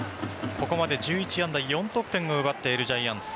ここまで１１安打４得点を奪っているジャイアンツ。